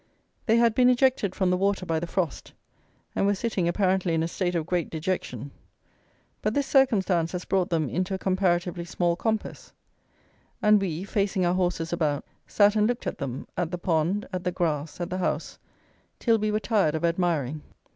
They had been ejected from the water by the frost, and were sitting apparently in a state of great dejection: but this circumstance has brought them into a comparatively small compass; and we facing our horses about, sat and looked at them, at the pond, at the grass, at the house, till we were tired of admiring.